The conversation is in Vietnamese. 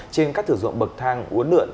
trên các thử dụng bậc thang uốn lượn